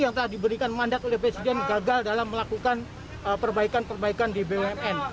yang telah diberikan mandat oleh presiden gagal dalam melakukan perbaikan perbaikan di bumn